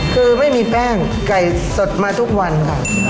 คือไม่มีแป้งไก่สดมาทุกวันค่ะ